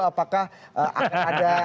apakah ada apa namanya